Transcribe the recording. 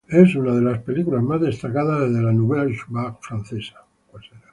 Es una de las películas más destacadas de la "nouvelle vague" francesa.